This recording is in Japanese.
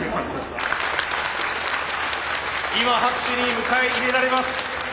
今拍手に迎え入れられます。